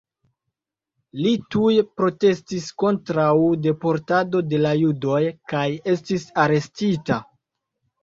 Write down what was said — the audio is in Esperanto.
Li tuj protestis kontraŭ deportado de la judoj kaj estis arestita.